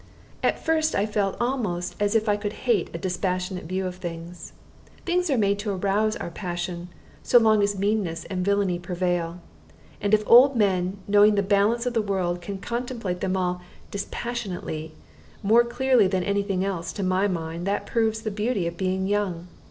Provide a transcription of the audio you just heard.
At first I felt almost as if I could hate a "dispassionate view of things." Things are made to arouse our passion, so long as meanness and villainy prevail; and if old men, knowing the balance of the world, can contemplate them all "dispassionately," more clearly than any thing else, to my mind, that proves the beauty of being young.